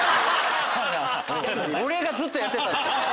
俺がずっとやってた！